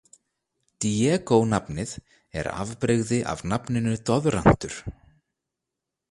Diego nafnið er afbrigði af nafninu doðrantur.